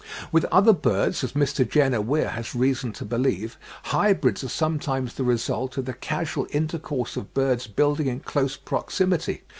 With other birds, as Mr. Jenner Weir has reason to believe, hybrids are sometimes the result of the casual intercourse of birds building in close proximity.